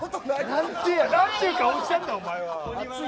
何ていう顔してんだ、お前。